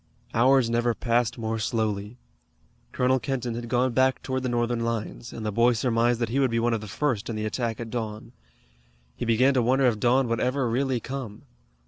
Hours never passed more slowly. Colonel Kenton had gone back toward the Northern lines, and the boy surmised that he would be one of the first in the attack at dawn. He began to wonder if dawn would ever really come.